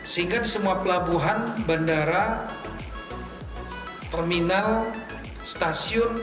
sehingga di semua pelabuhan bandara terminal stasiun